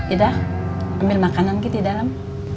ida ambil makanan kita di dalam